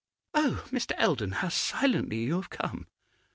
'Oh, Mr. Eldon! How silently you have come!